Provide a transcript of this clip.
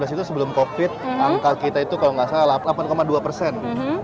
gini dua ribu sembilan belas itu sebelum covid angka kita itu kalau nggak salah delapan dua persen